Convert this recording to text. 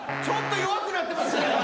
ちょっと弱くなってますね。